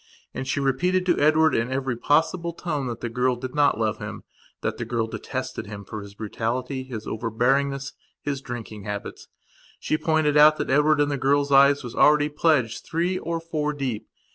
And she repeated to Edward in every possible tone that the girl did not love him; that the girl detested him for his brutality, his overbearingness, his drinking habits. She pointed out that Edward in the girl's eyes, was already pledged three or four deep.